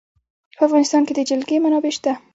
په افغانستان کې د جلګه منابع شته.